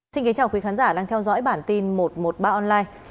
xin kính chào quý khán giả đang theo dõi bản tin một trăm một mươi ba online